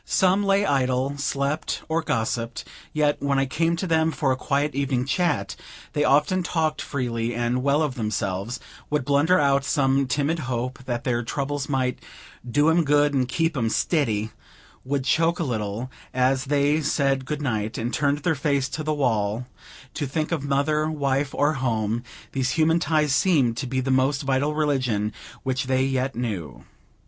Some lay idle, slept, or gossiped; yet, when I came to them for a quiet evening chat, they often talked freely and well of themselves; would blunder out some timid hope that their troubles might "do 'em good, and keep 'em stiddy;" would choke a little, as they said good night, and turned their faces to the wall to think of mother, wife, or home, these human ties seeming to be the most vital religion which they yet knew.